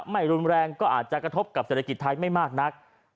ไม่รุนแรงก็อาจจะกระทบกับเศรษฐกิจไทยไม่มากนัก